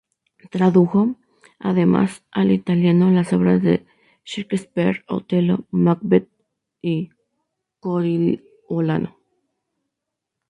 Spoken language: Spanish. Tradujo, además, al italiano las obras de Shakespeare "Otelo", "Macbeth" y "Coriolano".